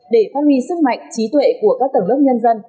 để phát huy sức mạnh trí tuệ của các tầng lớp nhân dân